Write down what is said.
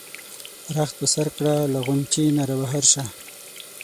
رخت په سر کړه له غُنچې نه را بهر شه.